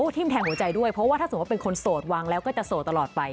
ทิ้มแทงหัวใจด้วยเพราะว่าถ้าสมมุติเป็นคนโสดวางแล้วก็จะโสดตลอดไป